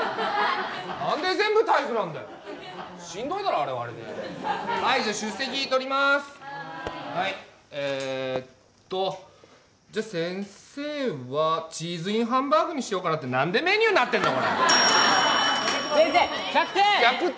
何で全部体育なんだよしんどいだろあれはあれではいじゃあ出席とりまーすえっとじゃあ先生はチーズインハンバーグにしようかなって何でメニューになってんのこれ先生１００点！